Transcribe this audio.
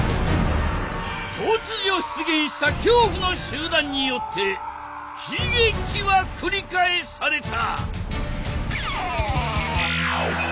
突如出現した恐怖の集団によって悲劇は繰り返された！